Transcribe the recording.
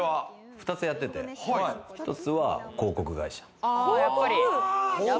２つやってて、１つは広告会社。